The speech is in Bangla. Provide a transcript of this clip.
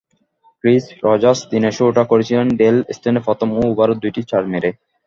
ক্রিজ রজার্স দিনের শুরুটা করেছিলেন ডেল স্টেইনের প্রথম ওভারেই দুটি চার মেরে।